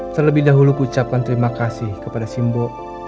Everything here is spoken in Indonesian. terlebih dahulu ku ucapkan terima kasih kepada simbo